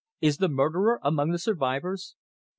"Is the murderer among the survivors?"